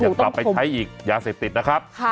อยากกลับไปใช้ยาเสพติดนะครับ